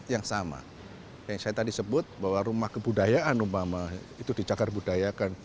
yang saya tadi sebut bahwa rumah kebudayaan umpama itu dicagar budayakan